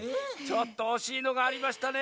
ちょっとおしいのがありましたね。